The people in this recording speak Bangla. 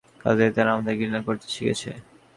কাজেই তারা আমাদের ঘৃণা করতে শিখেছে।